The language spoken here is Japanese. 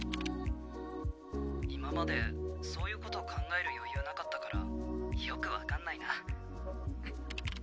「今までそういう事考える余裕なかったからよくわかんないな」